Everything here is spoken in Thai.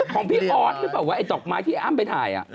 ของพี่ออสหรือเปล่าว่าไอ้ดอกไม้ที่อ้ำไปถ่าย